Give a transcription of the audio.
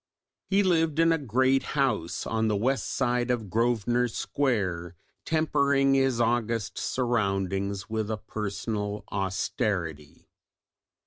He lived in a great house on the west side of Grosvenor Square, tempering his august surroundings with a personal austerity.